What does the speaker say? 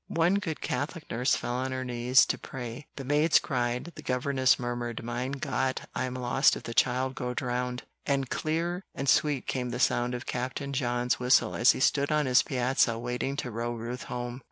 One good Catholic nurse fell on her knees to pray; the maids cried, the governess murmured, "Mein Gott, I am lost if the child go drowned!" and clear and sweet came the sound of Captain John's whistle as he stood on his piazza waiting to row Ruth home.